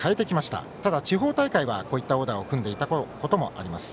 ただ、地方大会はこういったオーダーを組んでいたこともあります。